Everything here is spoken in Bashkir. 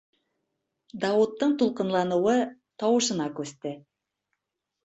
- Дауыттың тулҡынланыуы тауышына күсте.